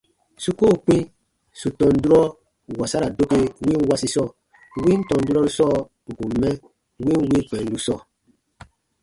Su koo kpĩ sù tɔn kurɔ wasara doke win wasi sɔɔ, win tɔn kurɔru sɔɔ ǹ kun mɛ win wii kpɛndu sɔɔ.